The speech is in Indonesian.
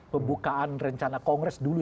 pembukaan rencana kongres dulu